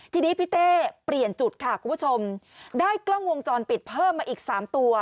ทีนี้พี่เต้เปลี่ยนจุดค่ะคุณผู้ชมได้กล้องวงจรปิดเพิ่มมาอีก๓ตัว